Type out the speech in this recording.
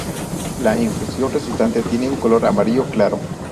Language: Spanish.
La infusión resultante tiene un color amarillo claro.